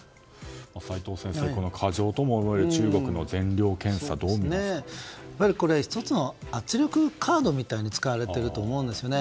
齋藤先生、過剰とも思える中国の全量検査を１つの圧力カードみたいに使われていると思うんですよね。